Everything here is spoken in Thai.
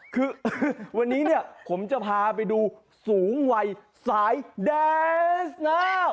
คือวันนี้เนี่ยผมจะพาไปดูสูงวัยสายแดนสนะ